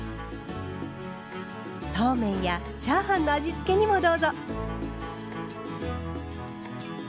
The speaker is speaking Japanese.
そうめんやチャーハンの味付けにもどうぞ！